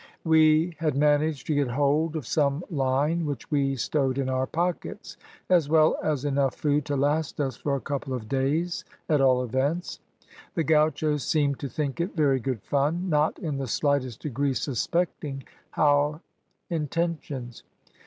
"We had managed to get hold of some line which we stowed in our pockets, as well as enough food to last us for a couple of days, at all events. The gauchos seemed to think it very good fun, not in the slightest degree suspecting our intentions.